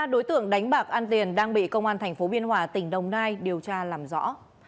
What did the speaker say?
ba đối tượng đánh bạc ăn tiền đang bị công an tp biên hòa tỉnh đồng nai điều tra làm rõ